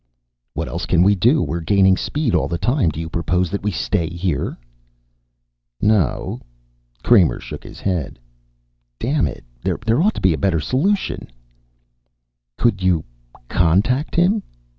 "What else can we do? We're gaining speed all the time. Do you propose that we stay here?" "No." Kramer shook his head. "Damn it, there ought to be a better solution." "Could you contact him?"